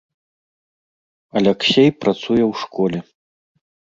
Аляксей працуе ў школе.